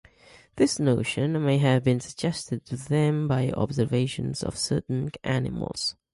This notion may have been suggested to them by the observation of certain animals.